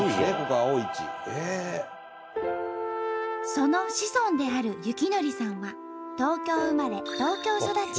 その子孫である幸紀さんは東京生まれ東京育ち。